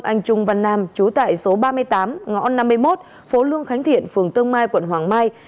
anh trung văn nam trú tại số ba mươi tám ngõ năm mươi một phố luông khánh thiện phường tương mai quận hoàng mai